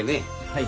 はい。